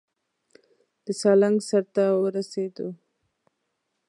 د سالنګ سر ته ورسېدو.